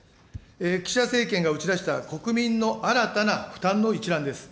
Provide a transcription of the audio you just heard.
岸田政権が打ち出した国民の新たな負担の一覧です。